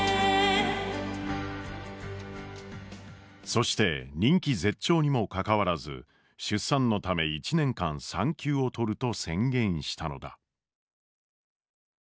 そして人気絶頂にもかかわらず出産のため１年間産休を取ると宣言したのだ。